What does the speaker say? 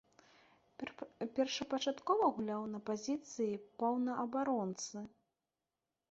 Першапачаткова гуляў на пазіцыі паўабаронцы.